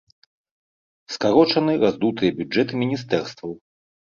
Скарочаны раздутыя бюджэты міністэрстваў.